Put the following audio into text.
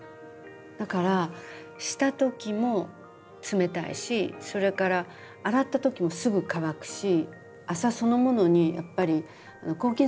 だからしたときも冷たいしそれから洗ったときもすぐ乾くし麻そのものにやっぱり抗菌作用があるんですよ。